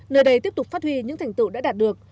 nơi đây tiếp tục phát huy những thành tựu đã đạt được